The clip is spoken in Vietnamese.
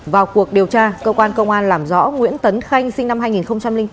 vào cuộc điều tra cơ quan công an làm rõ nguyễn tấn khanh sinh năm hai nghìn bốn